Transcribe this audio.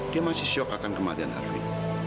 dia masih syok akan kematian hari